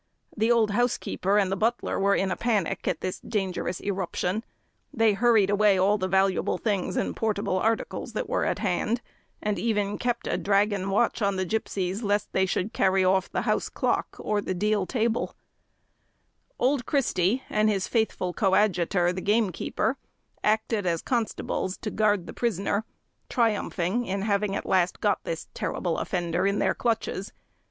The old housekeeper and the butler were in a panic at this dangerous irruption. They hurried away all the valuable things and portable articles that were at hand, and even kept a dragon watch on the gipsies, lest they should carry off the house clock or the deal table. [Illustration: The Tribunal] Old Christy, and his faithful coadjutor, the gamekeeper, acted as constables to guard the prisoner, triumphing in having at last got this terrible offender in their clutches.